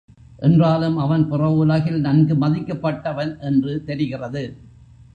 என்றாலும் அவன் புற உலகில் நன்கு மதிக்கப்பட்டவன் என்று தெரிகிறது.